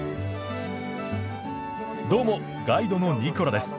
どうもガイドのニコラです。